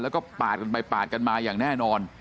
แล้วก็ปาดกันไปปาดกันมาอย่างแน่นอน